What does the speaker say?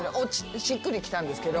しっくりきたんですけど。